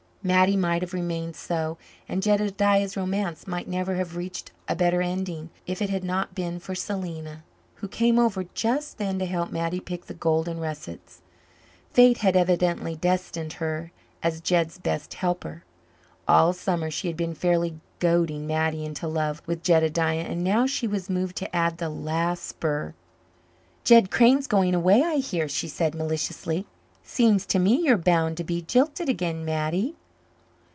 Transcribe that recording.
Mattie might have remained so and Jedediah's romance might never have reached a better ending, if it had not been for Selena, who came over just then to help Mattie pick the golden russets. Fate had evidently destined her as Jed's best helper. All summer she had been fairly goading Mattie into love with Jedediah and now she was moved to add the last spur. "Jed Crane's going away, I hear," she said maliciously. "Seems to me you're bound to be jilted again, Mattie."